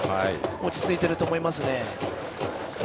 落ち着いていると思いますね。